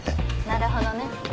なるほどね。